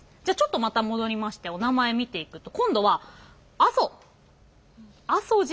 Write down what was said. じゃあちょっとまた戻りましておなまえ見ていくと今度は阿蘇。